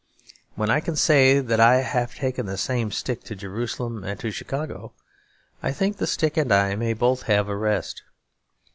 When I can say that I have taken the same stick to Jerusalem and to Chicago, I think the stick and I may both have a rest.